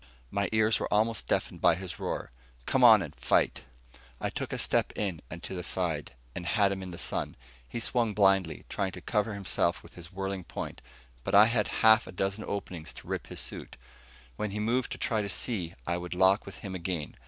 My ears were almost deafened by his roar, "Come on and fight." I took a step in and to the side, and had him in the sun. He swung blindly, trying to cover himself with his whirling point but I had half a dozen openings to rip his suit. When he moved to try to see, I would lock with him again.